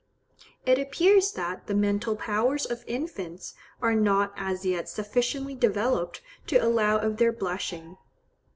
It appears that the mental powers of infants are not as yet sufficiently developed to allow of their blushing.